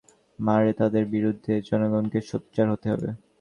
কিন্তু যারা নাশকতা করে, মানুষ মারে, তাদের বিরুদ্ধে জনগণকে সোচ্চার হতে হবে।